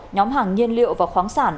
nhóm hàng nhiên liệu và khoáng sản